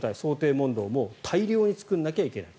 問答も大量に作らないといけない。